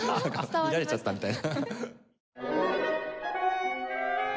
見られちゃったみたいな。